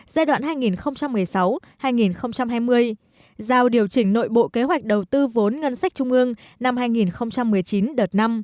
giai đoạn hai nghìn một mươi sáu hai nghìn hai mươi giao điều chỉnh nội bộ kế hoạch đầu tư vốn ngân sách trung ương năm hai nghìn một mươi chín đợt năm